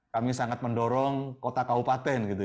kami sangat mendorong kota kawupaten gitu